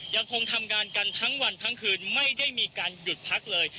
ยังคงทำงานกันทั้งวันทั้งคืนไม่ได้มีการหยุดพักเลย